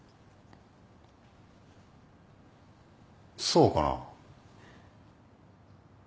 そうかな？